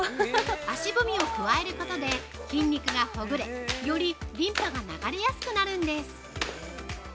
足踏みを加えることで筋肉がほぐれよりリンパが流れやすくなるんです。